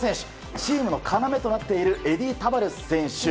チームの要となっているエディ・タバレス選手。